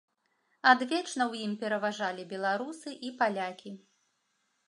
Адвечна ў ім пераважалі беларусы і палякі.